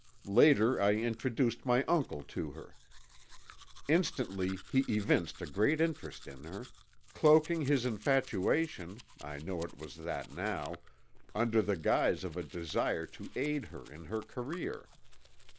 Later I introduced my uncle to her. Instantly he evinced a great interest in her, cloaking his infatuation (I know it was that now) under the guise of a desire to aid her in her career.